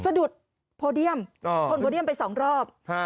สะดุดโพเดียมชนโพเดียมไปสองรอบ